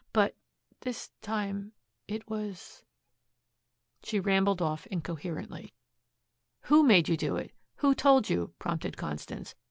But this time it was " She rambled off incoherently. "Who made you do it? Who told you?" prompted Constance.